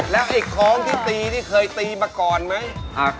แล้วไอ้คล้องที่ตีนี่เคยตีมาก่อนไหม